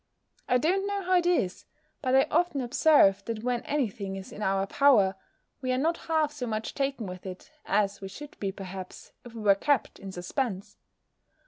I don't know how it is; but I often observe, that when any thing is in our power, we are not half so much taken with it, as we should be, perhaps, if we were kept in suspense!